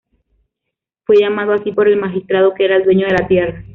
Fue llamado así por el magistrado que era dueño de la tierra.